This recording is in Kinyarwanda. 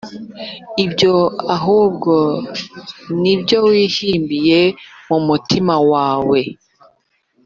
ibyo ahubwo ni ibyo wihimbiye mu mutima wawe